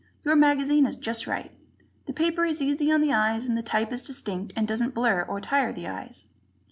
Your magazine is just right. The paper is easy on the eyes and the type is distinct and doesn't blur or tire the eyes.